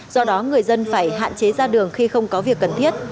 do đó người dân phải hạn chế ra đường khi không có việc cần thiết